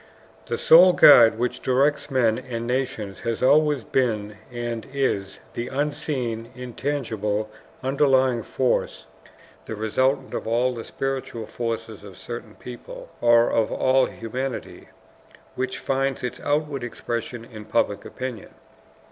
The sole guide which directs men and nations has always been and is the unseen, intangible, underlying force, the resultant of all the spiritual forces of a certain people, or of all humanity, which finds its outward expression in public opinion.